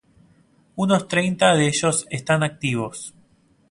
Unos treinta de ellos están activos.